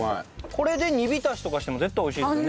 これで煮びたしとかしても絶対美味しいですもんね。